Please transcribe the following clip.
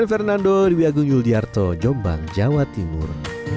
saya fernando diwiagung yul di arto jombang jawa timur